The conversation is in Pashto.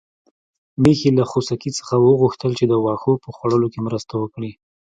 میښې له خوسکي څخه وغوښتل چې د واښو په خوړلو کې مرسته وکړي.